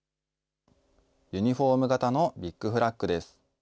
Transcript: ユニホーム型のビッグフラッグです。